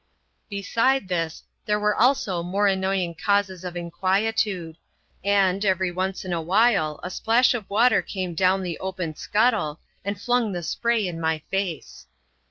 Beside this, there were still more annoying causes of inquietude ; and, every once in a while, a splash of water came down the open scuttle, and flung the spray in my face.